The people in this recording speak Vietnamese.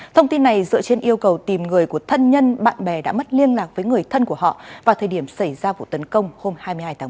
thông tin này dựa trên yêu cầu tìm người của thân nhân bạn bè đã mất liên lạc với người thân của họ vào thời điểm xảy ra vụ tấn công hôm hai mươi hai tháng một